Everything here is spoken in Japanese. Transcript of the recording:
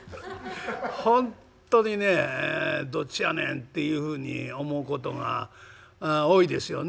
本当にねどっちやねんっていうふうに思うことが多いですよね。